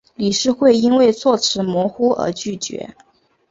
理事会因为措辞模糊而拒绝。